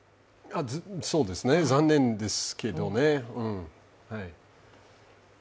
そうですね、残念ですけどね。